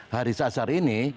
haris asar ini